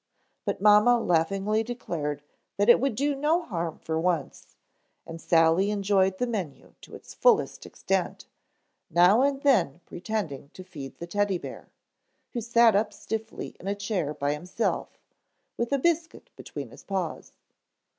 But mamma laughingly declared that it would do no harm for once and Sally enjoyed the menu to its fullest extent, now and then pretending to feed the Teddy bear, who sat up stiffly in a chair by himself, with a biscuit between his paws.